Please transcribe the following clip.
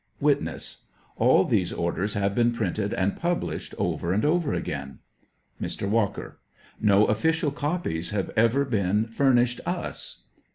] Witness. All these orders have been printed and published over and over again. Mr. Walker. No official copies have ever been fur nished us.